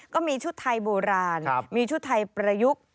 ก็มีชุดไทยโบราณมีชุดไทยประยุกต์